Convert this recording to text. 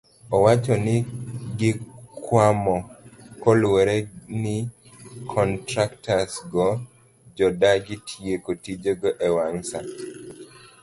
Owacho ni gikwamo kaluwore ni kontraktas go jodagi tieko tijego ewang' saa